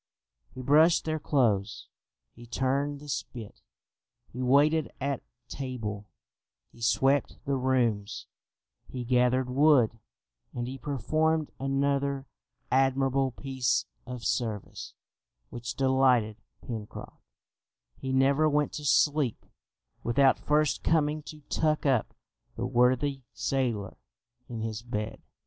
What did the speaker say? He brushed their clothes, he turned the spit, he waited at table, he swept the rooms, he gathered wood, and he performed another admirable piece of service which delighted Pencroft he never went to sleep without first coming to tuck up the worthy sailor in his bed.